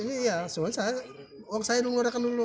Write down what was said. iya soalnya saya mengurangkan dulu